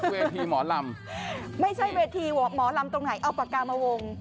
เวทีหมอลำไม่ใช่เวทีหมอลำตรงไหนเอาปากกามาวง